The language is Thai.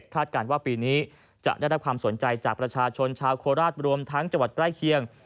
การว่าปีนี้จะได้รับความสนใจจากประชาชนชาวโคราชรวมทั้งจังหวัดใกล้เคียง